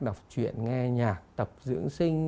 đọc chuyện nghe nhạc tập dưỡng sinh